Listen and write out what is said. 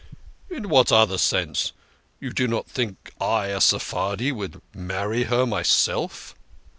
"In what other sense? You do not think I, a Sephardi, would marry her myself